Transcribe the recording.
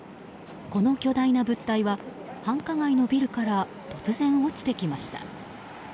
この巨大な物体は繁華街のビルから突然、落ちてきました。